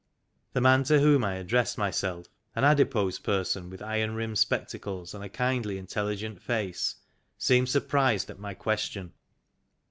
The man to whom I addressed myself, an adipose person with iron rimmed spectacles and a kindly, in telligent face, seemed surprised at my question.